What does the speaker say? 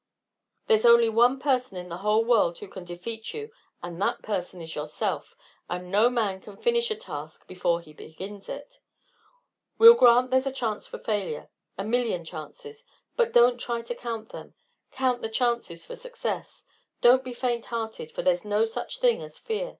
"There's only one person in the whole world who can defeat you, and that person is yourself; and no man can finish a task before he begins it. We'll grant there's a chance for failure a million chances; but don't try to count them. Count the chances for success. Don't be faint hearted, for there's no such thing as fear.